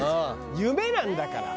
夢なんだから。